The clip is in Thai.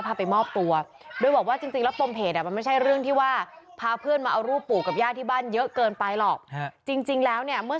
เธอก็เลยไปตามลัดไปม้อบตัว